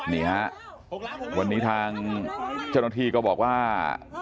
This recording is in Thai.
นี่ฮะวันนี้ทางเจ้าหน้าที่ก็บอกว่า